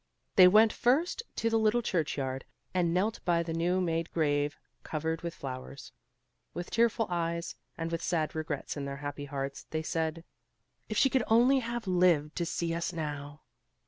They went first to the little church yard and knelt by the new made grave covered with flowers. With tearful eyes, and with sad regrets in their happy hearts, they said, "If she could only have lived to see us now!"